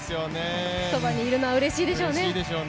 そばにいるのはうれしいでしょうね。